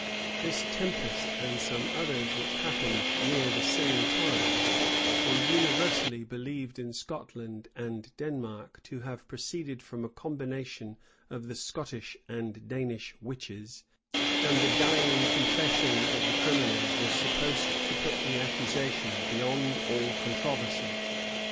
This tempest, and some others which happened near the same time, were universally believed in Scotland and Denmark to have proceeded from a combination of the Scottish and Danish witches; and the dying confession of the criminals was supposed to put the accusation beyond all controversy.